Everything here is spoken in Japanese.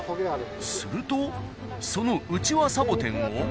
するとそのウチワサボテンを。